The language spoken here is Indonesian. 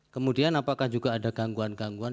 kemudian apakah juga ada gangguan gangguan